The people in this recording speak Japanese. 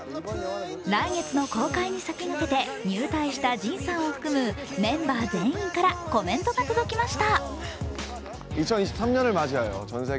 来月の公開に先駆けて、入隊したＪＩＮさんを含むメンバー全員からコメントが届きました。